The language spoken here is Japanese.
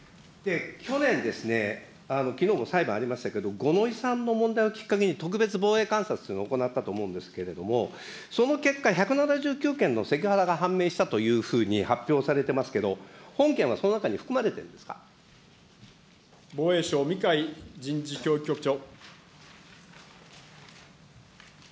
去年、きのうも裁判ありましたけれども、五ノ井さんの問題をきっかけに、特別防衛監察というのを行ったと思うんですけれども、その結果、１７９件のセクハラが判明したというふうに発表されてますけれども、本件は、防衛省、三貝人事教育局長。